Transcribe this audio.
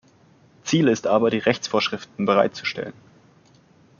Ziel ist aber, die Rechtsvorschriften bereitzustellen.